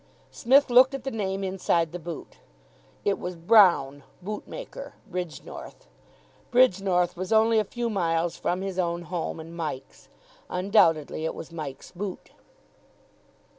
Psmith looked at the name inside the boot. It was "Brown, boot maker, Bridgnorth." Bridgnorth was only a few miles from his own home and Mike's. Undoubtedly it was Mike's boot.